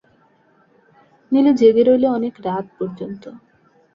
নীলু জেগে রইল অনেক রাত পর্যন্ত।